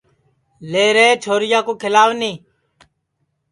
لے رے چھوریا کُو کھیلاو نی